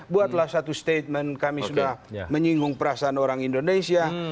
buatlah satu statement kami sudah menyinggung perasaan orang indonesia